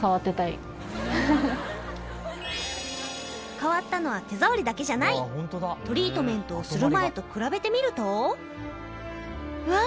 変わったのは手触りだけじゃないトリートメントをする前と比べてみるとうわ！